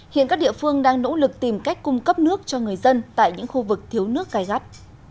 hiện các địa phương đang nỗ lực tìm cách cung cấp nước cho người dân tại những khu vực thiếu nước gai gắt